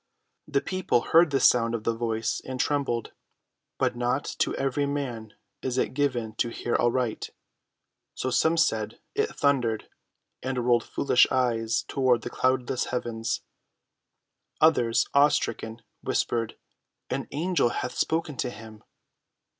The people heard the sound of the Voice and trembled. But not to every man is it given to hear aright; so some said, "It thundered," and rolled foolish eyes toward the cloudless heavens. Others, awe‐stricken, whispered, "An angel hath spoken to him."